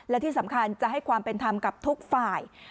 และที่สำคัญจะให้ความเป็นธรรมกับทุกฝ่าย